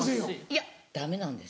いやダメなんです。